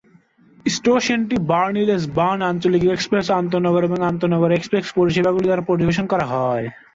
স্টেশনটি Berlin S Bahn, আঞ্চলিক-এক্সপ্রেস, আন্তঃনগর এবং আন্তঃনগর-এক্সপ্রেস পরিষেবাগুলি দ্বারা পরিবেশন করা হবে।